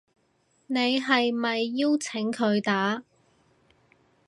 你係咪邀請佢打